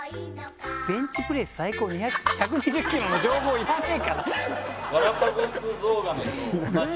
ベンチプレス最高１２０ｋｇの情報いらねえから。